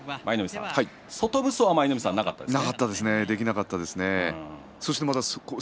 外無双は舞の海さん、なかったですね。